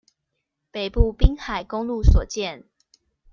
北部濱海公路所見